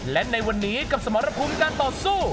และในวันนี้กับสมรภูมิการต่อสู้